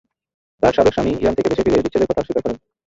তাঁর সাবেক স্বামী ইরান থেকে দেশে ফিরে বিচ্ছেদের কথা অস্বীকার করেন।